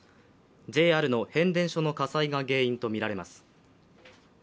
ＪＲの変電所の火災が原因とみられます。